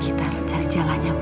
kita harus cari jalannya